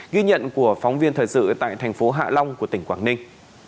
ghi nhận của phóng viên thời sự tại thành phố hạ long của tỉnh quảng ninh